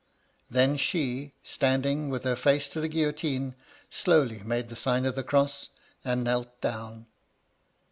Then she, standing witii her face to the guillotine, slowly made the sign of the cross, and knelt down.